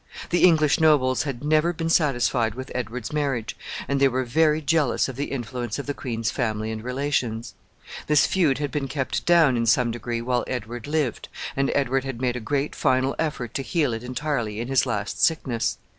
The English nobles had never been satisfied with Edward's marriage, and they were very jealous of the influence of the queen's family and relations. This feud had been kept down in some degree while Edward lived, and Edward had made a great final effort to heal it entirely in his last sickness.